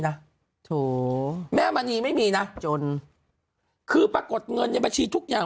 โถแม่มณีไม่มีนะจนคือปรากฏเงินในบัญชีทุกอย่าง